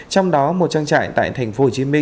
trong đó một trang trại tại tp hcm